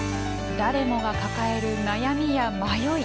誰もが抱える悩みや迷い。